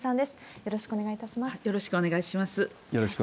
よろしくお願いします。